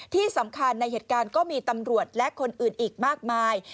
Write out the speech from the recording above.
ที่สำคัญในเหตุการณ์ก็มีตำรวจและคนอื่นอีกมากมาย